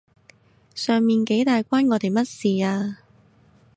上面幾多大關我哋乜事啊？